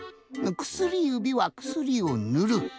薬指は薬をぬる。